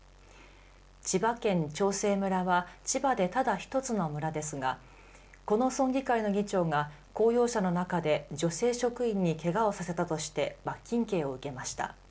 千葉県長生村は千葉でただ１つの村ですがこの村議会の議長が公用車の中で女性職員にけがをさせたとして罰金刑を受けました。